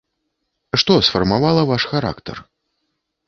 Што сфармавала ваш характар?